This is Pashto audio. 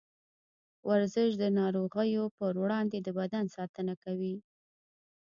ورزش د نارغيو پر وړاندې د بدن ساتنه کوي.